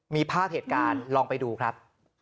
มีภาพเหตุการณ์ลองไปดูครับ